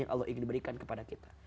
yang allah ingin berikan kepada kita